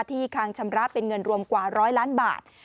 ที่ค้างชำระเป็นเงินรวมกว่าร้อยล้านบาท